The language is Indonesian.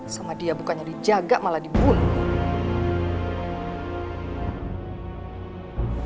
sama dia bukannya dijaga malah dibunuh